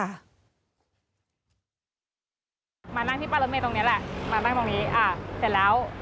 มานั่งที่ป้ายรถเมย์ตรงเนี้ยแหละมานั่งตรงนี้อ่าเสร็จแล้ว